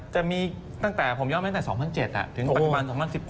จะมีตั้งแต่ผมย้อนไปตั้งแต่๒๐๐๗ถึงปัจจุบัน๒๐๑๖